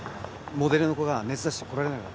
モデルの子が熱出して来られなくなった。